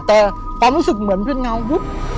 แต่ความรู้สึกเหมือนเป็นเงาวุ๊บ